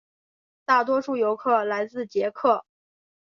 大多数游客来自捷克。